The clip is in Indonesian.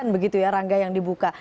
begitu ya rangga yang dibuka